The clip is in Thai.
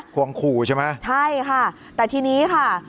ควงขู่ใช่ไหมใช่ค่ะแต่ทีนี้ค่ะ